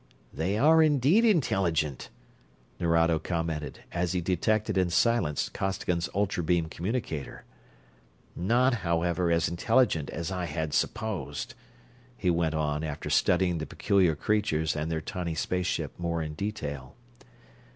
"They are indeed intelligent," Nerado commented, as he detected and silenced Costigan's ultra beam communicator. "Not, however, as intelligent as I had supposed," he went on, after studying the peculiar creatures and their tiny space ship more in detail.